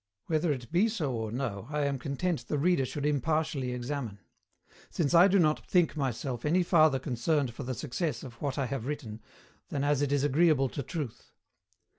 Whether it be so or no I am content the reader should impartially examine; since I do not think myself any farther concerned for the success of what I have written than as it is agreeable to truth.